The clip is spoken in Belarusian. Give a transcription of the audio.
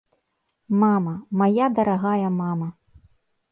Мама, мая дарагая мама!